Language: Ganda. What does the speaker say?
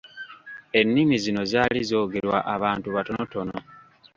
Ennimi zino zaali zoogerwa abantu batonotono.